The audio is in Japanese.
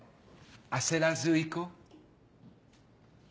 焦らずいこう。